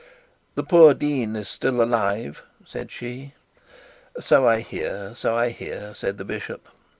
'The poor dean is still alive,' said she. 'So I hear, so I hear,' said the bishop.